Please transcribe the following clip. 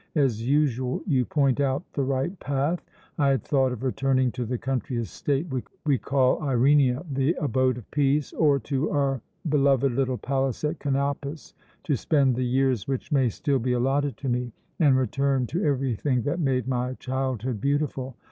As usual, you point out the right path. I had thought of returning to the country estate we call Irenia the abode of peace or to our beloved little palace at Kanopus, to spend the years which may still be allotted to me, and return to everything that made my childhood beautiful.